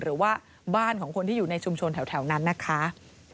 หรือว่าบ้านของคนที่อยู่ในชุมชนแถวนั้นนะคะ